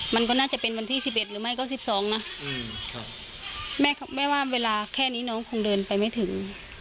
มันก็น่าจะเป็นวันที่๑๑หรือไม่ก็๑๒นะแม่ว่าเวลาแค่นี้น้องคงเดินไปไม่ถึง